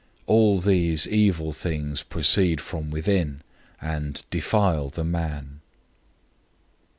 007:023 All these evil things come from within, and defile the man."